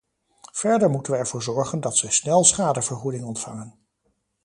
Verder moeten we ervoor zorgen dat zij snel schadevergoeding ontvangen.